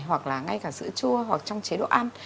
hoặc là ngay cả sữa chua hoặc trong chế độ ăn